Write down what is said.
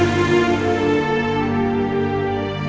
itu bener dua permainan kok